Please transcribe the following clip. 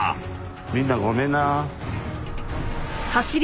みんなごめんな。